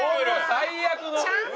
最悪の。